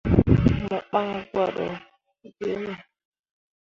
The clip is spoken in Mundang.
Mo ɓan gwado gi me.